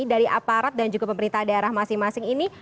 dari aparat dan juga pemerintah daerah masing masing ini